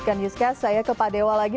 selanjutnya saya ke pak dewa lagi